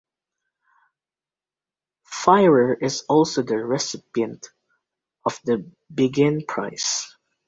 Firer is also the recipient of the Begin Prize.